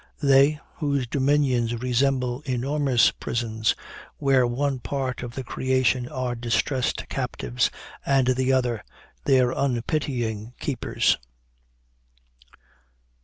They! whose dominions resemble enormous prisons, where one part of the creation are distressed captives, and the other their unpitying keepers."